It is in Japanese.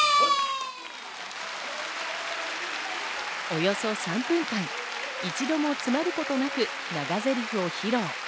およそ３分間、一度も詰まることなく長ゼリフを披露。